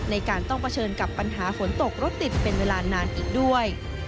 ในการต้องเผชิญกับปัญหาฝนตกรถติดเป็นเวลานานอีกด้วย